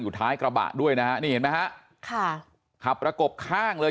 ท้ายกระบะด้วยนะฮะนี่เห็นไหมฮะค่ะขับประกบข้างเลย